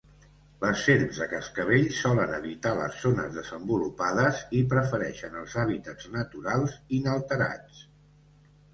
Les serps de cascavell solen evitar les zones desenvolupades i prefereixen els hàbitats naturals inalterats.